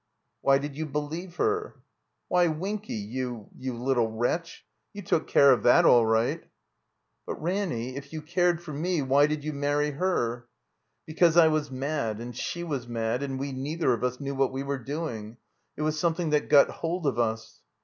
"Why did you believe her?" "Why, Winky, you, you little wretch, you took care of that all right." "But, Ranny, if you cared for me, why did you marry her?" "Because I was mad and she was mad, and we neither of us knew what we were doing. It was something that got hold of us."